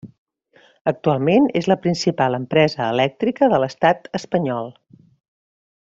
Actualment és la principal empresa elèctrica de l'estat espanyol.